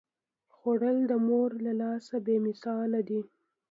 خوړل د مور له لاسه بې مثاله دي